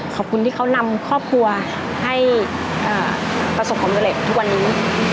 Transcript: ขอบคุณที่เขานำครอบครัวให้ประสบความสำเร็จทุกวันนี้